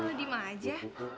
loh di maja